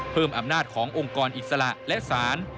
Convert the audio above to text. เพิ่มอำนาจขององค์กรอิสระและศาล